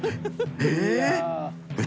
えっ？